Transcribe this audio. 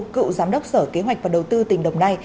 cựu giám đốc sở kế hoạch và đầu tư tỉnh đồng nai